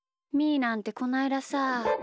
ーなんてこないださ。